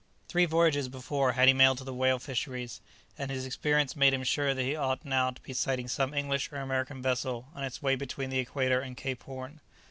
Three voyages before had he made to the whale fisheries, and his experience made him sure that he ought now to be sighting some English or American vessel on its way between the Equator and Cape Horn.